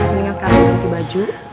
mendingan sekarang ganti baju